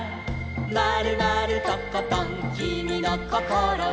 「まるまるとことんきみのこころは」